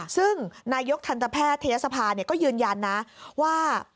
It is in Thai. ซึ่งนายกทันตแพทยศภาก็ยืนยันนะว่า